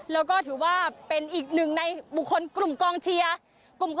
แล้วก็ถือว่าเป็นอีกหนึ่งในบุคคลกลุ่มกองเชียร์